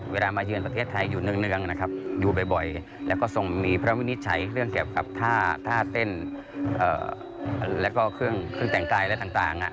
เวลามาเยือนประเทศไทยอยู่เนื่องนะครับอยู่บ่อยแล้วก็ทรงมิพลวินิจใช้เครื่องเกี่ยวกับธ่าธ่าเต้นเอ่อแล้วก็เครื่องเครื่องแต่งกายและต่างอ่ะ